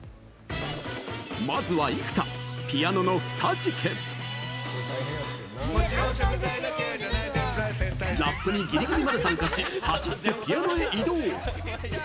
まずは生田「ピアノのフタ事件」。ラップにギリギリまで参加し走ってピアノへ移動。